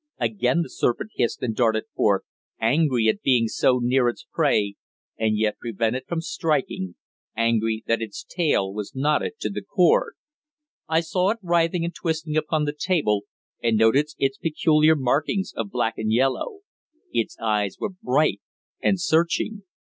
Again the serpent hissed and darted forth, angry at being so near its prey, and yet prevented from striking angry that its tail was knotted to the cord. I saw it writhing and twisting upon the table, and noted its peculiar markings of black and yellow. Its eyes were bright and searching.